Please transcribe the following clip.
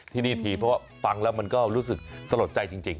ที่นี่ทีเพราะว่าฟังแล้วมันก็รู้สึกสลดใจจริง